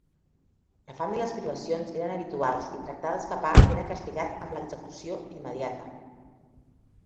La fam i les privacions eren habituals i tractar d'escapar era castigat amb l'execució immediata.